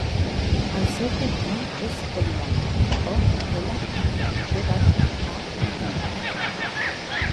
El seu cognom és Olivan: o, ela, i, ve baixa, a, ena.